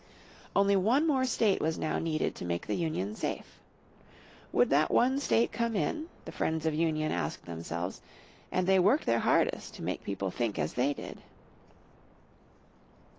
Only one more state was now needed to make the union safe. Would that one state come in, the friends of union asked themselves, and they worked their hardest to make people think as they did.